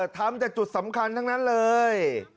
ทำจากจุดสำคัญทั้งนั้นเลย